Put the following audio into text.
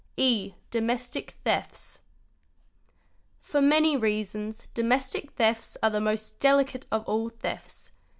E. Domestic Thefts. _ For many reasons domestic thefts are the most delicate of all thefts.